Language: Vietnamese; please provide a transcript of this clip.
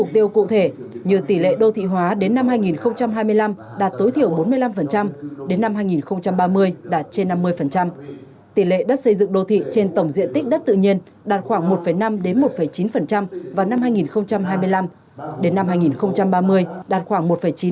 dựng đô thị trên tổng diện tích đất tự nhiên đạt khoảng một năm một chín vào năm hai nghìn hai mươi năm đến năm hai nghìn ba mươi đạt khoảng một chín hai ba